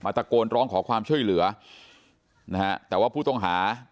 ตะโกนร้องขอความช่วยเหลือนะฮะแต่ว่าผู้ต้องหา